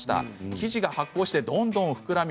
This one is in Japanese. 生地が発酵してどんどん膨らみ